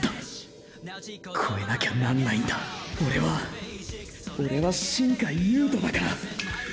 超えなきゃなんないんだオレはオレは新開悠人だから！！